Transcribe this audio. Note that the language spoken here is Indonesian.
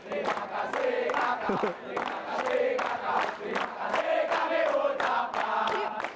terima kasih kakak terima kasih kakak terima kasih kami ucapkan